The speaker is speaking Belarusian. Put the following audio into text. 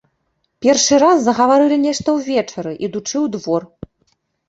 Першы раз загаварылі нешта ўвечары, ідучы ў двор.